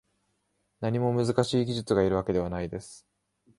何も難しい技術がいるわけではないです